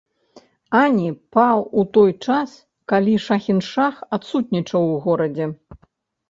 Ані паў у той час, калі шахіншах адсутнічаў у горадзе.